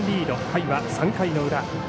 回は３回の裏。